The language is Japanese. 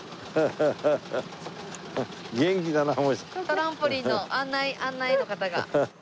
トランポリンの案内案内の方が。